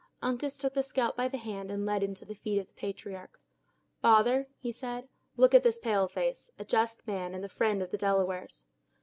Uncas took the scout by the hand, and led him to the feet of the patriarch. "Father," he said, "look at this pale face; a just man, and the friend of the Delawares."